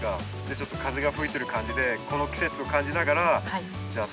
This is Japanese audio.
ちょっと風が吹いてる感じでこの季節を感じながらじゃあ